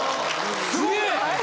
すげえ！